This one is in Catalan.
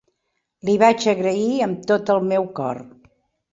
Li vaig agrair amb tot el meu cor.